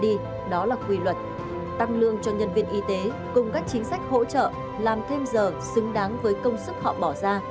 đó là quy luật tăng lương cho nhân viên y tế cùng các chính sách hỗ trợ làm thêm giờ xứng đáng với công sức họ bỏ ra